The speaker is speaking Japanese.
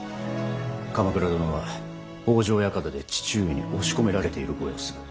鎌倉殿は北条館で父上に押し込められているご様子。